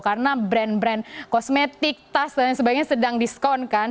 karena brand brand kosmetik tas dan sebagainya sedang diskon kan